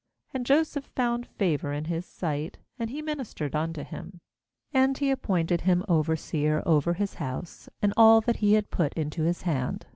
4And Joseph found favour in his sight, and he ministered unto him. And he appointed him overseer over his house, and all that he had he put into his hand.